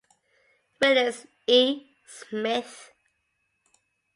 Willis E. Smith.